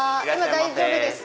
大丈夫です。